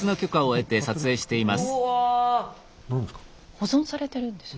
保存されてるんですよ。